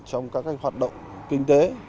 trong các hoạt động kinh tế